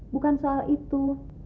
bukan soal itu